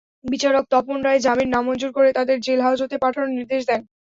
বিচারক তপন রায় জামিন নামঞ্জুর করে তাঁদের জেলহাজতে পাঠানোর নির্দেশ দেন।